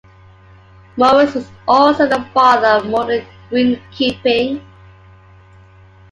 Morris was also the father of modern greenkeeping.